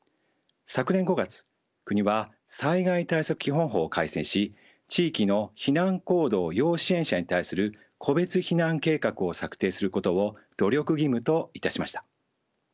昨年５月国は災害対策基本法を改正し地域の避難行動要支援者に対する個別避難計画を策定することを努力義務といたしました。